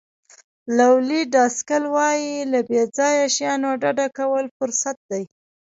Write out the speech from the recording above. لولي ډاسکل وایي له بې ځایه شیانو ډډه کول فرصت دی.